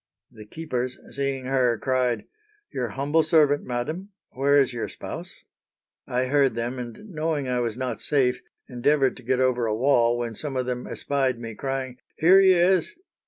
The keepers, seeing her, cried, 'Your humble servant, madam; where is your spouse?' I heard them, and knowing I was not safe, endeavoured to get over a wall, when some of them espyed me, crying, 'Here he is!'